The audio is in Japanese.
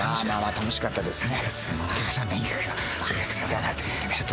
楽しかったですね。